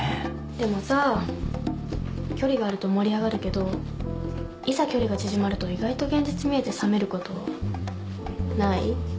でもさ距離があると盛り上がるけどいざ距離が縮まると意外と現実見えて冷めることない？かもね。